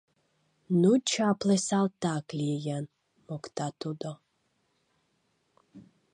— Ну, чапле салтак лийын! — мокта тудо.